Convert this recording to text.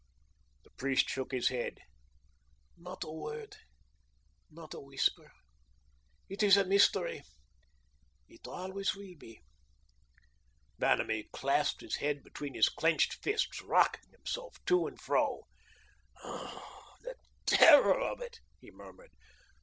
The priest shook his head. "Not a word, not a whisper. It is a mystery. It always will be." Vanamee clasped his head between his clenched fists, rocking himself to and fro. "Oh, the terror of it," he murmured.